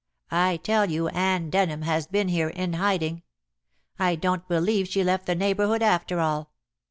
I tell you Anne Denham has been here in hiding. I don't believe she left the neighborhood after all.